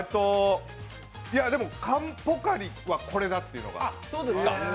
缶ポカリはこれだっていうのが。